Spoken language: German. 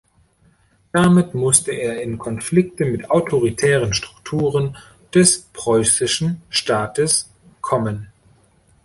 Damit musste er in Konflikte mit den autoritären Strukturen des preußischen Staates kommen.